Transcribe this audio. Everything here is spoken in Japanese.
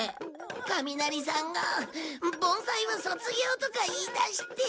神成さんが「盆栽は卒業」とか言いだして。